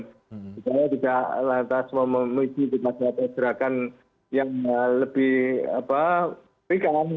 supaya tidak lantas memuji kepada peserakan yang lebih pikan